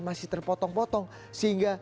masih terpotong potong sehingga